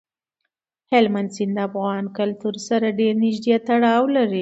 هلمند سیند د افغان کلتور سره ډېر نږدې تړاو لري.